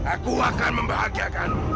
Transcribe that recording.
aku akan membahagiakanmu